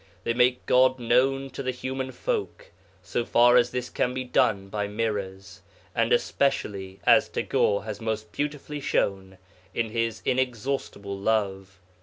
They make God known to the human folk so far as this can be done by Mirrors, and especially (as Tagore has most beautifully shown) in His inexhaustible love.